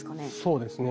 そうですね。